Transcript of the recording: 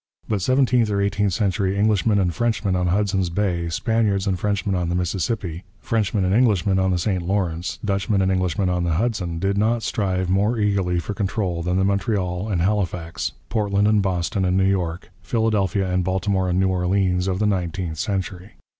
But seventeenth or eighteenth century Englishmen and Frenchmen on Hudson Bay, Spaniards and Frenchmen on the Mississippi, Frenchmen and Englishmen on the St Lawrence, Dutchmen and Englishmen on the Hudson, did not strive more eagerly for control than the Montreal and Halifax, Portland and Boston and New York, Philadelphia and Baltimore and New Orleans of the nineteenth century.